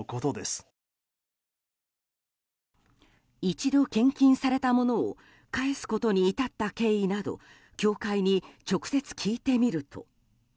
一度献金されたものを返すことに至った経緯など教会に直接聞いてみると。